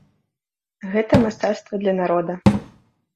Гэта мастацтва для народа.